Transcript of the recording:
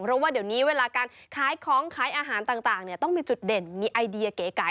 เพราะว่าเดี๋ยวนี้เวลาการขายของขายอาหารต่างต้องมีจุดเด่นมีไอเดียเก๋ไก่